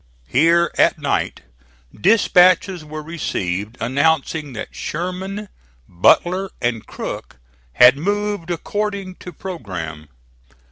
Here at night dispatches were received announcing that Sherman, Butler and Crook had moved according to programme.